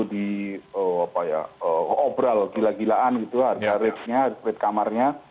di obrol gila gilaan gitu ada reksnya reks kamarnya